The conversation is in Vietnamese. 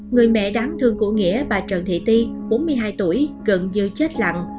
người mẹ đám thương của nghĩa bà trần thị ti bốn mươi hai tuổi gần như chết lặn